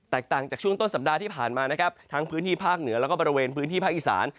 ต่างจากช่วงต้นสัปดาห์ที่ผ่านมานะครับทั้งพื้นที่ภาคเหนือแล้วก็บริเวณพื้นที่ภาคอีสาน